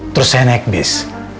terus saya naik bis